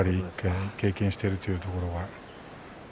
経験しているというところが。